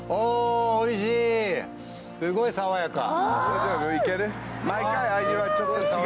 おいしい、すごい爽やか。